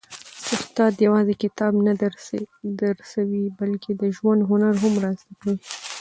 استاد یوازي کتاب نه درسوي، بلکي د ژوند هنر هم را زده کوي.